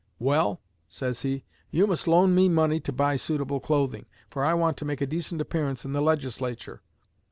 'Well,' says he, 'you must loan me money to buy suitable clothing, for I want to make a decent appearance in the Legislature.'